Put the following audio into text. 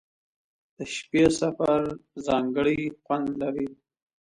• د شپې سفر ځانګړی خوند لري.